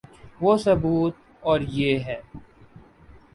وہ ثبوت اور یہ ہے۔